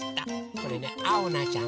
これねあおなちゃんとあ